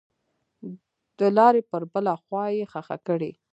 دلارې پر بله خوا یې ښخه کړئ.